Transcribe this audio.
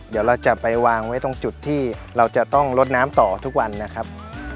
เดี๋ยวเราจะไปวางไว้ตรงจุดที่เราจะต้องลดน้ำต่อทุกวันนะครับ